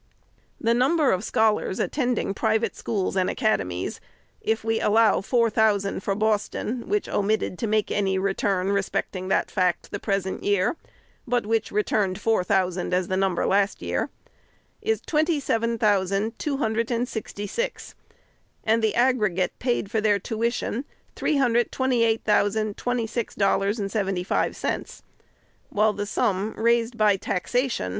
The number of scholars attending private schools and academies (if we allow four thousand for Boston, which omitted to make any return respecting that fact the pres ent year, but which returned four thousand as the num ber last year) is twenty seven thousand two hundred and sixty six, and the aggregate paid for their tuition, $328,026.75, while the sum raised by taxation, for all the children in the State, is only $465,228.04.